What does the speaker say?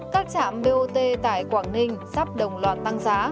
các trạm bot tại quảng ninh sắp đồng loạt tăng giá